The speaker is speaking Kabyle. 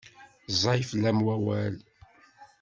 Ẓẓay fell-am wawal.